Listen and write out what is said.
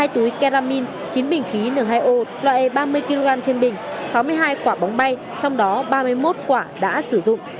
hai túi ketamin chín bình khí n hai o loại ba mươi kg trên bình sáu mươi hai quả bóng bay trong đó ba mươi một quả đã sử dụng